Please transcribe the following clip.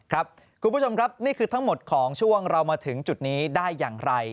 คุณผู้ชมครับนี่คือทั้งหมดของช่วงเรามาถึงจุดนี้ได้อย่างไร